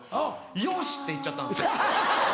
「よし！」って言っちゃったんですよ。